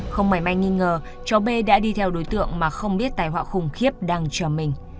không mảy may nghi ngờ cháu b đã đi theo đối tượng mà không biết tài họa khủng khiếp đang chờ mình